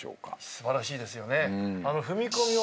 素晴らしいですよね。